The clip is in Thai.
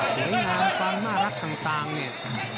สวยงามความน่ารักต่างเนี่ย